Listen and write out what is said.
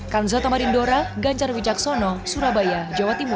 kansatomar indora ganjar wijaksono surabaya jawa timur